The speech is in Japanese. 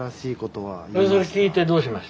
それ聞いてどうしました？